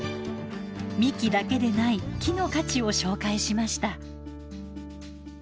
幹だけでない木の価値を紹介しました。